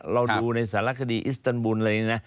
เราดูในสหรัฐคดีอิสรัมบุณอ่ะ